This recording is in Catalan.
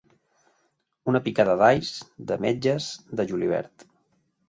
Una picada d'alls, d'ametlles, de julivert.